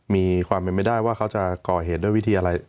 มีความเป็นไม่ได้ว่าเขาจะก่อเหตุด้วยวิธีอะไร